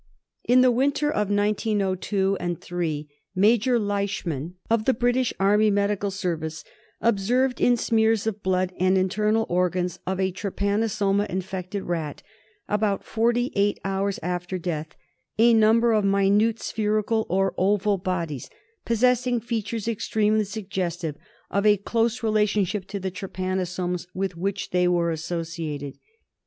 In the winter of 1902 3, Major Leishman, of the British Army Medical Service, observed in smears of blood and internal organs of a trypanosoma infected rat, about forty eight hours after death, a number of minute spherical or oval bodies possessing features extremely suggestive of a close relationship to the trypanosomes with which they were associated.